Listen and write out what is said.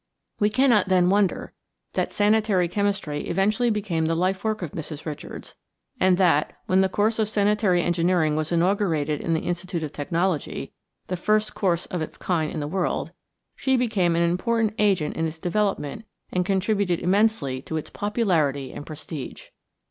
We cannot, then, wonder that sanitary chemistry eventually became the life work of Mrs. Richards, and that, when the course of sanitary engineering was inaugurated in the Institute of Technology the first course of its kind in the world she became an important agent in its development and contributed immensely to its popularity and prestige.